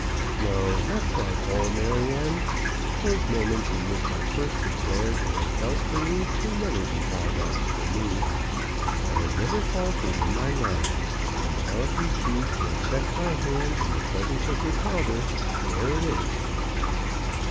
"No, not quite all, Maryanne. Those moments in which I first declared what I felt for you can never be bygones for me. I have never faltered in my love; and now, if you choose to accept my hand in the presence of your father, there it is."